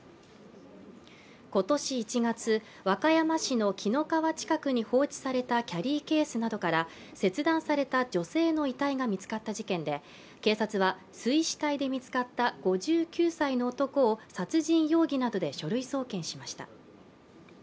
今年１月、和歌山市の紀の川近くに放置されたキャリーケースなどから切断された女性の遺体が見つかった事件で警察は水死体で見つかった５９歳の男を殺人容疑などで書類送検しました。